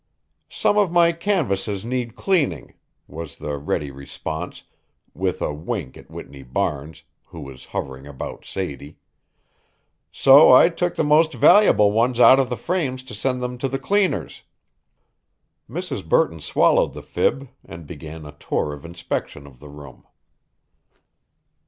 "Some of my canvases need cleaning," was the ready response, with a wink at Whitney Barnes, who was hovering about Sadie, "so I took the most valuable ones out of the frames to send them to the cleaners." Mrs. Burton swallowed the fib and began a tour of inspection of the room.